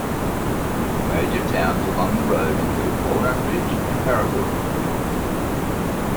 Major towns along the road include Walnut Ridge and Paragould.